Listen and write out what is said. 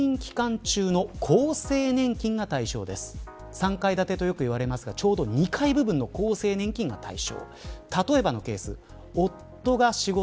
３階建てとよく言われますがちょうど２階部分の厚生年金が対象。